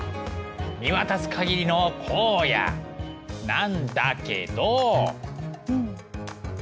見渡すかぎりの荒野なんだけど。